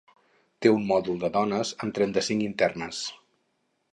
Té un mòdul de dones amb trenta-cinc internes.